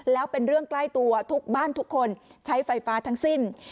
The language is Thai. แล้วเป็นเรื่องใกล้ตัวทุกบ้านทุกคนใช้ไฟฟ้าทั้งสิ้น